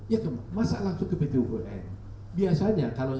ya kan masa langsung ke pt umkm